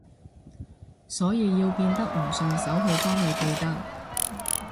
所以要變得唔順手去幫你記得